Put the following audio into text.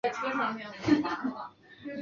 他骑着他的大战象。